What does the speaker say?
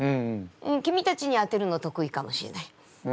君たちに当てるの得意かもしれない。